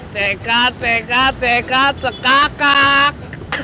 cekat cekat cekat sekakak